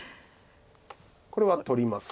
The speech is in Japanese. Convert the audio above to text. これは取ります。